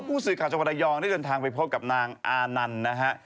ผู้สื่อข่าวจังหวัดระยองได้เดินทางไปพบกับนางอานันต์นะฮะ